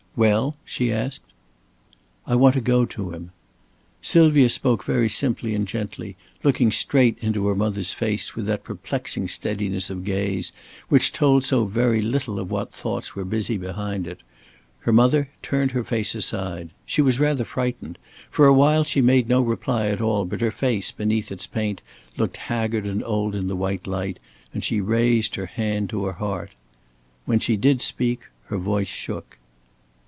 "Well?" she asked. "I want to go to him." Sylvia spoke very simply and gently, looking straight into her mother's face with that perplexing steadiness of gaze which told so very little of what thoughts were busy behind it. Her mother turned her face aside. She was rather frightened. For a while she made no reply at all, but her face beneath its paint looked haggard and old in the white light, and she raised her hand to her heart. When she did speak, her voice shook.